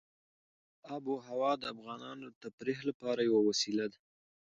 آب وهوا د افغانانو د تفریح لپاره یوه وسیله ده.